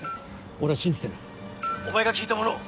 俺は信じてるお前が聞いたものを。